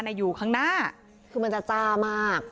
แต่ในอยู่ข้างหน้าคือมันจามาก